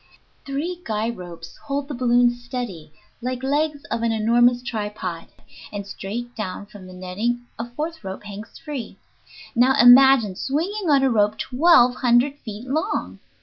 Three guy ropes hold the balloon steady like legs of an enormous tripod, and straight down from the netting a fourth rope hangs free. Now, imagine swinging on a rope twelve hundred feet long!